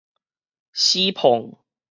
死膨